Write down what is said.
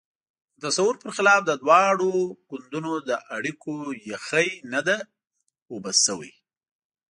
د تصور پر خلاف د دواړو ګوندونو د اړیکو یخۍ نه ده اوبه شوې.